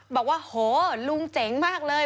บอกว่าโหลุงเจ๋งมากเลย